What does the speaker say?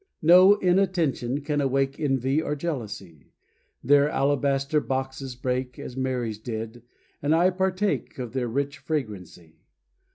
No inattention can awake Envy or jealousy; Their alabaster boxes break, As Mary's did, and I partake Of their rich fragrancy.